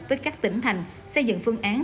với các tỉnh thành xây dựng phương án